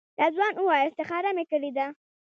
رضوان وویل استخاره مې کړې ده.